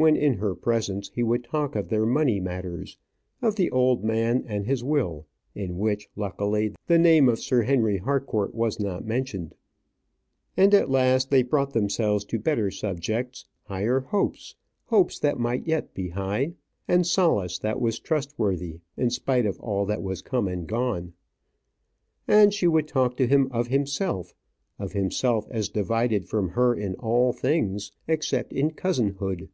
When in her presence, he would talk of their money matters, of the old man and his will, in which, luckily, the name of Sir Henry Harcourt was not mentioned; and at last they brought themselves to better subjects, higher hopes hopes that might yet be high, and solace that was trustworthy, in spite of all that was come and gone. And she would talk to him of himself; of himself as divided from her in all things, except in cousinhood.